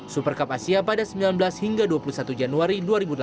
super cup asia pada sembilan belas hingga dua puluh satu januari dua ribu delapan belas